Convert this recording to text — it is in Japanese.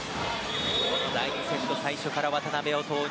第２セット最初から渡邊を投入